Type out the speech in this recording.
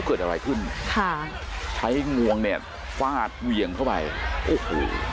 เกิดอะไรขึ้นค่ะใช้งวงเนี่ยฟาดเหวี่ยงเข้าไปโอ้โห